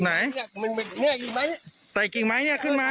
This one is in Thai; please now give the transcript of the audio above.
ไม่เหนื่อยไงไถ่กินไว้ไหนเนี้ยคืนมา